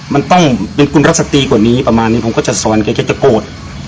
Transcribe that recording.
มันต้องเป็นคุณรัศตรีกว่านี้ประมาณนี้ผมก็จะสอนแกจะโกรธ